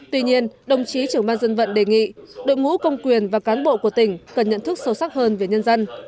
tuy nhiên đồng chí trưởng ban dân vận đề nghị đội ngũ công quyền và cán bộ của tỉnh cần nhận thức sâu sắc hơn về nhân dân